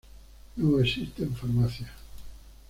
No existen farmacias.